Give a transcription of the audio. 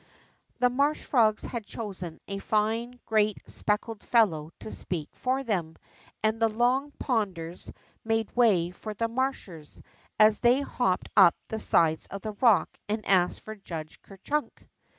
The marsh frogs had chosen a fine great speckled fellow to speak for them, and the Long Ponders made way for the Marshers, as they hopped up the sides of the rock and asked for Judge Ker Chunk.